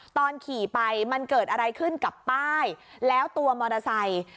ตอนขี่ไปมันเกิดอะไรขึ้นกับป้ายแล้วตัวมอเตอร์ไซค์